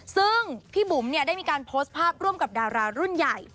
ซึ่งพี่บุ๋มได้มีการโพสต์ภาพร่วมกับดารารุ่นใหญ่